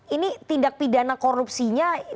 ini tindak pidana korupsinya